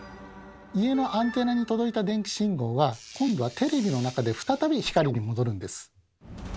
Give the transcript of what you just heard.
家のアンテナに届いた電気信号は今度はテレビの中で再び光に戻るんです。